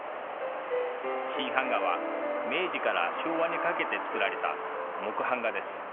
新版画は明治から昭和にかけて作られた木版画です。